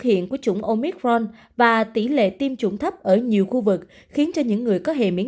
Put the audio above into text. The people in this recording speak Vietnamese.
hiện của chủng omicron và tỷ lệ tiêm chủng thấp ở nhiều khu vực khiến cho những người có hề miễn